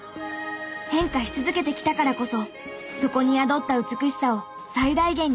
変化し続けてきたからこそそこに宿った美しさを最大限に引き出してあげる。